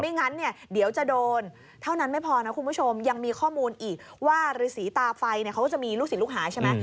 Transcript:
งั้นเนี่ยเดี๋ยวจะโดนเท่านั้นไม่พอนะคุณผู้ชมยังมีข้อมูลอีกว่าฤษีตาไฟเนี่ยเขาก็จะมีลูกศิษย์ลูกหาใช่ไหม